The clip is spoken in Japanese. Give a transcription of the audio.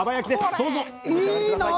どうぞお召し上がり下さい。